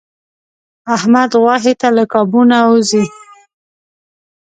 احمد غوښې ته له کابو نه و ځي.